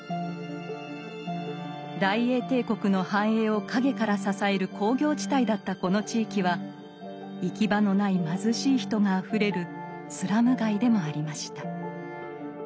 大英帝国の繁栄を陰から支える工業地帯だったこの地域は行き場のない貧しい人があふれるスラム街でもありました。